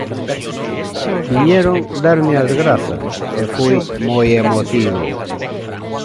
Viñeron darme as grazas e foi moi emotivo.